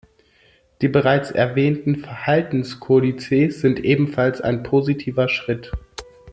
Die bereits erwähnten Verhaltenskodizes sind ebenfalls ein positiver Schritt.